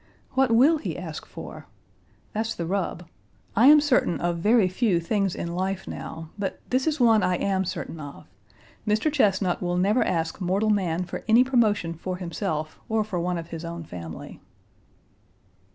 What will he ask for? That's the rub. I am certain of very few things in life now, but this is one I am certain of : Mr. Chesnut will never ask mortal man for any promotion for himself or for one of his own family.